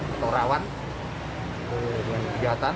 atau rawan dengan kejahatan